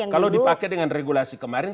kalau dipakai dengan regulasi kemarin